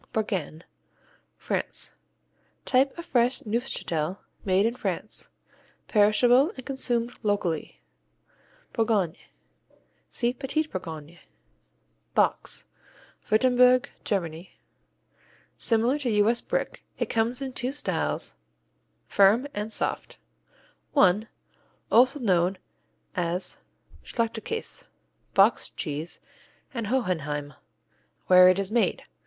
Bourgain France Type of fresh Neufchâtel made in France. Perishable and consumed locally. Bourgognes see Petits Bourgognes. Box Württemberg, Germany Similar to U.S. Brick. It comes in two styles; firm, and soft: I. Also known as Schachtelkäse, Boxed Cheese; and Hohenheim, where it is made.